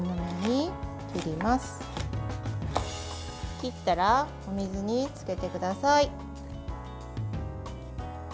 切ったら、お水につけてください。